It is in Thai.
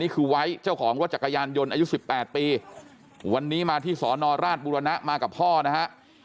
ไว้เจ้าของรถจักรยานยนต์อายุ๑๘ปีวันนี้มาที่สอนอราชบุรณะมากับพ่อนะฮะ